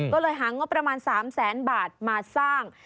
ก็เลยหางบประมาณ๓แสนบาทมาสร้าง